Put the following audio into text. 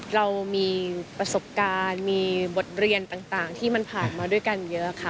เรามีประสบการณ์มีบทเรียนต่างที่มันผ่านมาด้วยกันเยอะค่ะ